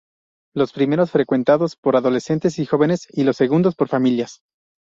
Los primeros frecuentados por adolescentes y jóvenes y los segundos por familias.